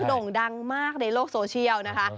โด่งดังมากในโลกโซเชียลนะคะ